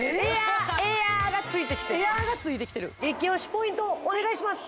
ポイントをお願いします